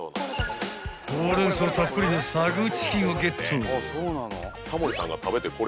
［ホウレンソウたっぷりのサグチキンをゲット］